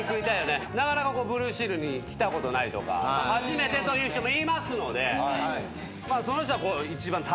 ブルーシールに来たことないとか初めてという人もいますのでその人は。